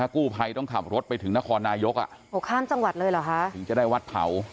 กู้ไพรต้องขับรถไปถึงนครนายกถึงจะได้วัดเผา